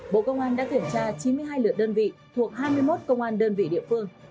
bộ công an đã kiểm tra chín mươi hai lượt đơn vị thuộc hai mươi một công an đơn vị địa phương